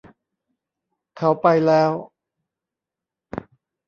เขาไปแล้ว.